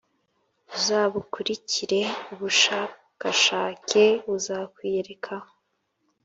Uzabukurikire ubushakashake, buzakwiyereka,